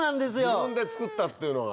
自分で作ったっていうのが。